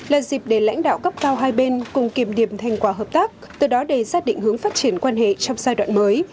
là dịp để lãnh đạo cấp cao hai bên cùng kiềm điểm thành quả hợp tác từ đó đề ra định hướng phát triển quan hệ trong giai đoạn mới